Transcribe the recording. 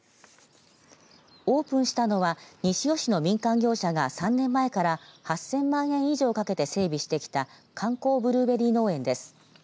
オープンしたのは西尾市の民間業者が３年前から８０００万円以上かけて整備してきた観光ブルーベリー農園です。